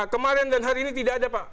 kemarin dan hari ini tidak ada pak